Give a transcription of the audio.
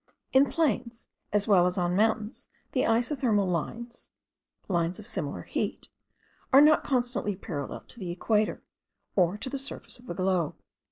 In plains as well as on mountains the isothermal lines (lines of similar heat) are not constantly parallel to the equator, or the surface of the globe.